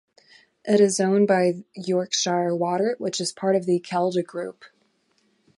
It is owned by Yorkshire Water which is part of the Kelda Group.